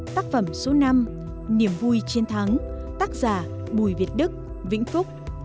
tác phẩm số năm niềm vui chiến thắng tác giả bùi việt đức vĩnh phúc